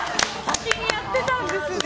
先にやってたんですね。